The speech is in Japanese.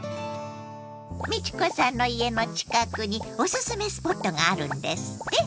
美智子さんの家の近くにおすすめスポットがあるんですって？